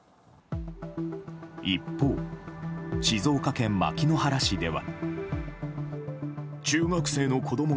一方、静岡県牧之原市では。